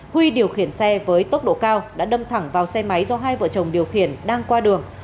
huy điều khiển xe với tốc độ cao đã đâm thẳng vào xe máy do hai vợ chồng điều khiển đang qua đường